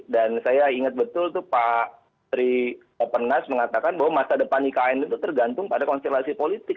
dan saya ingat betul itu pak tri openas mengatakan bahwa masa depan ikn itu tergantung pada konstelasi politik